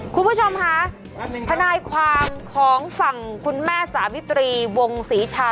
คุณผู้ชมค่ะทนายความของฝั่งคุณแม่สาวิตรีวงศรีชา